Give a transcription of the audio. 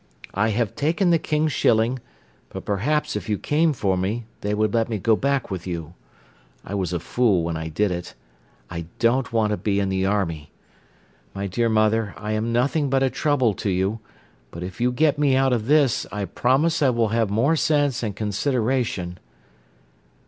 "'I have taken the King's shilling, but perhaps if you came for me they would let me go back with you. I was a fool when I did it. I don't want to be in the army. My dear mother, I am nothing but a trouble to you. But if you get me out of this, I promise I will have more sense and consideration.